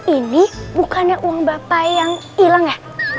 ini bukannya uang bapak yang hilang ya